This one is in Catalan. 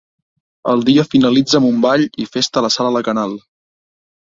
El dia finalitza amb un ball i festa a la sala la Canal.